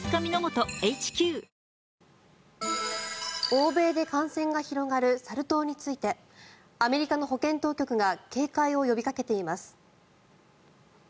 欧米で感染が広がるサル痘についてアメリカの保健当局が警戒を呼びかけています。